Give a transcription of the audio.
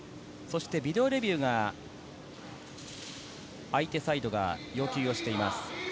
ビデオレビューが相手サイドが要求しています。